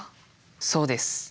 そうです。